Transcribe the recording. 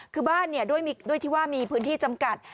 คือบ้านด้วยที่ว่ามีพื้นที่จำกัด